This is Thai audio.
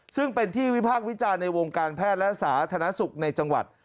ซึ่งเป็นที่วิพากษ์วิจารณ์ในวงการแพทย์และสาธารณสุขในจังหวัด